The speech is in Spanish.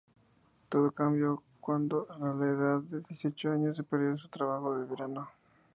Todo cambió cuando, a la edad de dieciocho años, perdió su trabajo de verano.